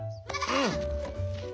うん。